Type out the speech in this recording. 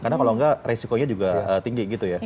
karena kalau nggak resikonya juga tinggi gitu ya